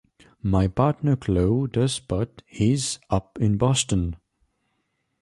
My partner Klaw does-but "he's" up in Boston!